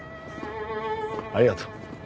ありがとう。